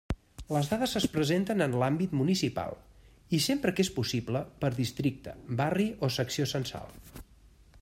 Les dades es presenten en l'àmbit municipal i sempre que és possible per districte, barri o secció censal.